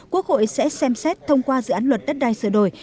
quốc hội sẽ xem xét thông qua dự án luật đất đai sửa đổi